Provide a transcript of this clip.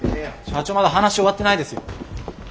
社長まだ話終わってないですよ。